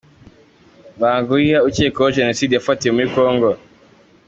Banguwiha ukekwaho Jenoside yafatiwe muri Congo